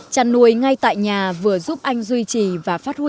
chăn nuôi ngay tại nhà vừa giúp anh duy trì và phát huy được chuyển